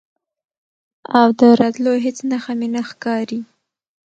او د راتلو هیڅ نښه به مې نه ښکاري،